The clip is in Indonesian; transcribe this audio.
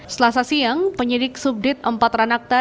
selasa siang penyidik subdit empat ranakta